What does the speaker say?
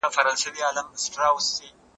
احمد شاه ابدالي ولې هند ته لښکر کشي کوله؟